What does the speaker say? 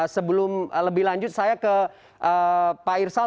sebelum lebih lanjut saya ke pak irsal